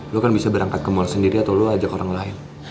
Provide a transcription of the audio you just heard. lo kan bisa berangkat ke mall sendiri atau lo ajak orang lain